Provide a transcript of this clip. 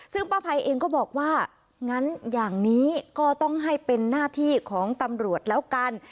ซึ่งป้าภัยเองก็บอกว่างั้นอย่างนี้ก็ต้องให้เป็นหน้าที่ของตำรวจแล้วกัน